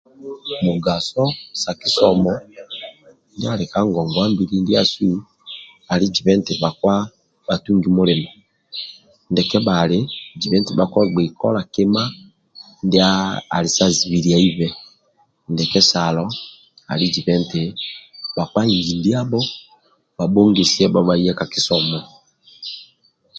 Mugaso sa kisomo ali kagogwabili ndiasu ali zibheti bhakpa batugi mulimo ndia kebali bhakpa bhaghei kola kima nali sa zibiliahibhe iji ndiabho bha bhogosia nanga kisomo